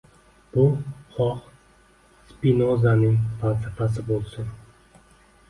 Bu xoh Spinozaning falsafasi bo‘lsin